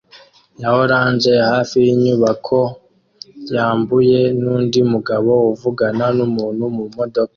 ya orange hafi yinyubako yamabuye nundi mugabo uvugana numuntu mumodoka